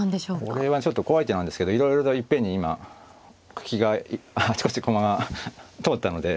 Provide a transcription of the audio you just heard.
これはちょっと怖い手なんですけどいろいろといっぺんに今利きがあちこち駒が通ったので。